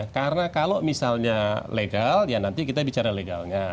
karena kalau misalnya legal ya nanti kita bicara legalnya